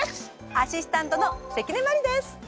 アシスタントの関根麻里です。